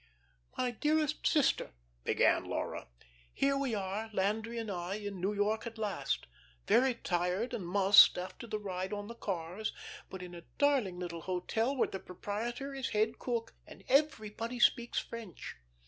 "'My dearest sister,'" began Laura. "'Here we are, Landry and I, in New York at last. Very tired and mussed after the ride on the cars, but in a darling little hotel where the proprietor is head cook and everybody speaks French.